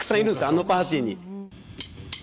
あのパーティーに。